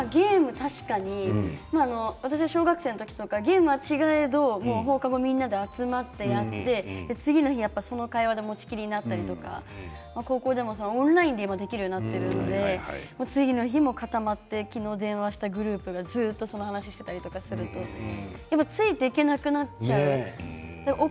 私の周りもゲーム、確かに私は小学生の時とかゲームは違えど、放課後みんなで集まってやって次の日その会話で持ちきりになったり高校でもオンラインでもできるようになっているので次の日も固まって昨日電話したグループがその話をしていたりしてついていけなくなっちゃう。